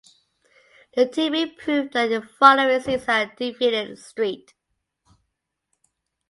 The team improved the following season and defeated St.